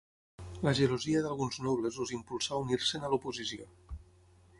La gelosia d'alguns nobles els impulsà a unir-se'n a l'oposició.